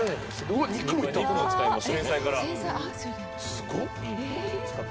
すごっ。